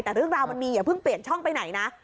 แต่เรื่องราวมันมีอย่าเพิ่งเปลี่ยนช่องไปไหนนะ